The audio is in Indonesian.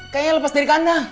kayaknya lepas dari kandang